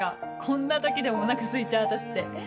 こんな時でもお腹すいちゃう私って。